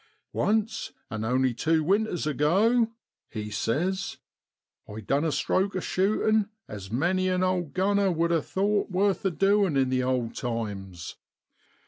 4 Once, and only tew winters ago,' he says, <I done a stroke o' shootin' as many an old gunner would a' thowt worth the doin' in the old times.